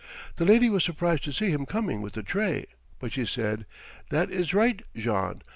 The lady was surprised to see him coming with the tray, but she said, "That is right, Jean.